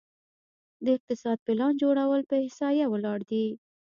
د اقتصاد پلان جوړول په احصایه ولاړ دي؟